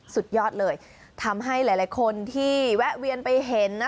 สุดยอดเลยทำให้หลายคนที่แวะเวียนไปเห็นนะ